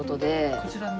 こちらに。